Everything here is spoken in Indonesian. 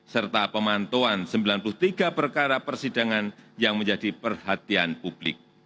serta pemantauan sembilan puluh tiga perkara persidangan yang menjadi perhatian publik